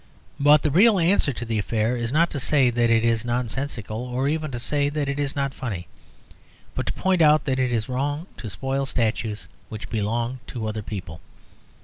But the real answer to the affair is not to say that it is nonsensical or even to say that it is not funny, but to point out that it is wrong to spoil statues which belong to other people.